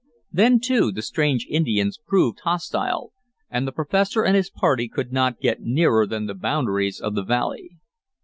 Then, too, the strange Indians proved hostile, and the professor and his party could not get nearer than the boundaries of the valley.